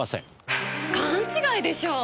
勘違いでしょう。